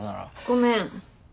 ごめん。